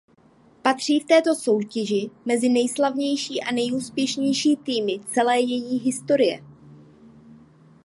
Patří v této soutěži mezi nejslavnější a nejúspěšnější týmy celé její historie.